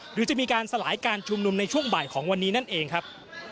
หรือจะมีการสลายการชุมนุมในช่วงบ่ายของวันนี้นั่นเองครับ